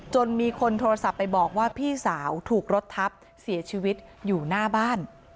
มีคนโทรศัพท์ไปบอกว่าพี่สาวถูกรถทับเสียชีวิตอยู่หน้าบ้าน